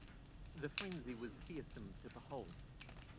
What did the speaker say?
The frenzy was fearsome to behold.